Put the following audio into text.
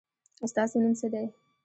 ستاسو نوم څه دی؟